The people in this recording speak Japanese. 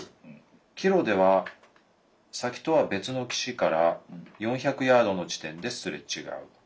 帰路では先とは別の岸から４００ヤードの地点ですれ違う。